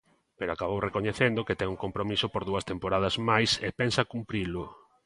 Pero acabou recoñecendo que ten un compromiso por dúas temporadas máis e pensa cumprilo.